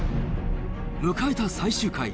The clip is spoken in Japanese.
迎えた最終回。